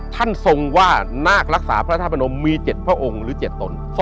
ทรงว่านาครักษาพระธาตุพนมมี๗พระองค์หรือ๗ตน